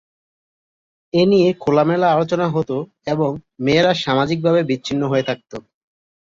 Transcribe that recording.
এই নিয়ে খোলামেলা আলোচনা হত এবং মেয়েরা সামাজিকভাবে বিচ্ছিন্ন হয়ে থাকত।